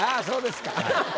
そうですか。